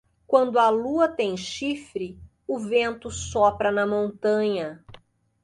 Quando a lua tem chifre, o vento sopra na montanha.